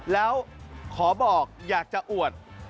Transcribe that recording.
แล้วขอบอกอยากจะอวด